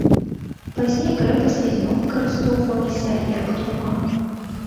Пазней крэпасць ізноў выкарыстоўвалася як турма.